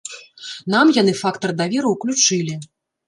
Нам яны фактар даверу ўключылі.